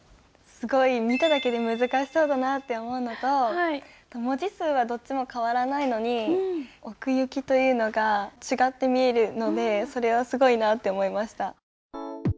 すごい見ただけで難しそうだなって思うのと文字数はどっちも変わらないのに奥行きというのが違って見えるのでそれはすごいなって思いました。